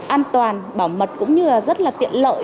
an toàn bảo mật cũng như là rất là tiện lợi